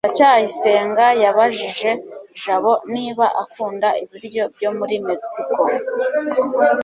ndacyayisenga yabajije jabo niba akunda ibiryo byo muri mexico